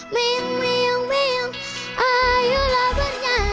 mew mew mew ayolah bernyanyi